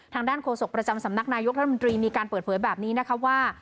ทางด้านโฆษกประจำสำนักนายกรัฐมนตรีมีการเปิดเผยแบบนี้นะคะว่า